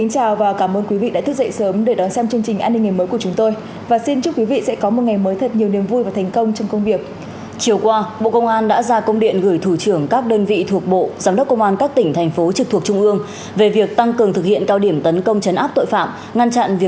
hãy đăng ký kênh để ủng hộ kênh của chúng tôi nhé